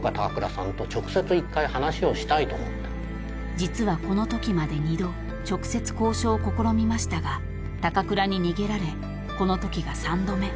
［実はこのときまで二度直接交渉を試みましたが高倉に逃げられこのときが三度目］